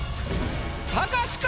たかしか？